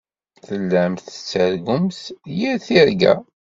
Tellamt tettargumt yir tirga.